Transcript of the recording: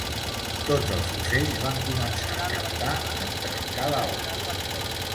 Tots els ocells van començar a cantar en trencar l'alba.